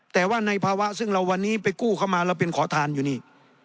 แต่ว่าในภาวะซึ่งเราวันนี้ไปกู้เข้ามาเราเป็นขอทานอยู่นี่